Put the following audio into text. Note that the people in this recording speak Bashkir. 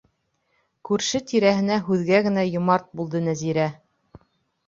Күрше-тирәһенә һүҙгә генә йомарт булды Нәзирә.